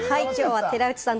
寺内さん